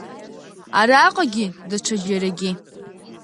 Араҟагьы, даҽаџьарагьы.